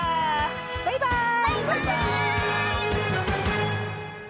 バイバーイ！